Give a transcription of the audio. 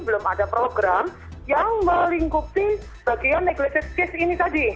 belum ada program yang melingkupi bagian negrated case ini tadi